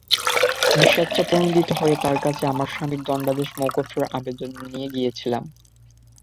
আমি স্বেচ্ছাপ্রণোদিত হয়ে তার কাছে আমার স্বামীর দণ্ডাদেশ মওকুফের আবেদন নিয়ে গিয়েছিলাম।